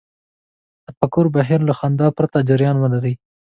د تفکر بهير له خنډ پرته جريان ولري.